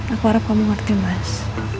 aku harap kamu mengerti mas